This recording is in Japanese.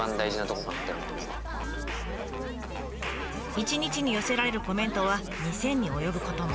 一日に寄せられるコメントは２，０００に及ぶことも。